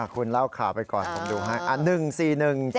คุณเล่าข่าวไปก่อนผมดูให้